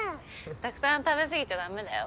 たくさん食べ過ぎちゃ駄目だよ。